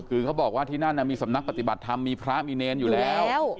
คือเขาบอกว่าที่นั่นมีสำนักปฏิบัติธรรมมีพระมีเนรอยู่แล้ว